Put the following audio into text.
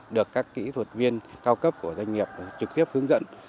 được các kỹ thuật viên cao cấp của doanh nghiệp trực tiếp hướng dẫn